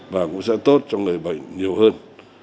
và cũng sẽ tốt cho người bệnh nhiều hơn